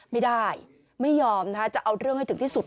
ไม่ได้ไม่ยอมจะเอาเรื่องให้ถึงที่สุด